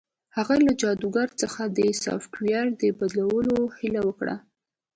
هغه له جادوګر څخه د سافټویر د بدلولو هیله وکړه